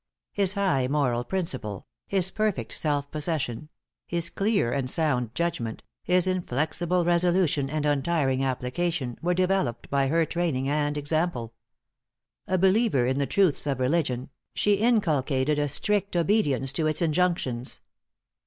His high moral principle, his perfect self possession, his clear and sound judgment, his inflexible resolution and untiring application were developed by her training and example. A believer in the truths of religion, she inculcated a strict obedience to its injunctions.